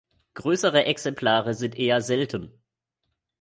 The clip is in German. Größere Exemplare sind eher selten.